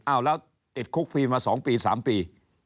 อ้าวแล้วติดคุกฟรีมาสองปีสามปี